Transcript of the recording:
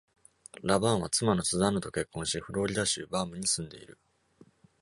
ラバーンは妻のスザンヌと結婚し、フロリダ州バームに住んでいる。